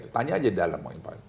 tanya aja dalam paling paling